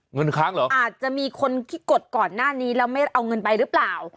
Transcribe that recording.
ค้างเหรออาจจะมีคนที่กดก่อนหน้านี้แล้วไม่เอาเงินไปหรือเปล่า